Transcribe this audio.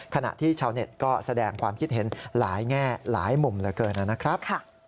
ขณะที่ชาวเน็ตก็แสดงความคิดเห็นหลายแง่หลายมุมเหลือเกินนะครับ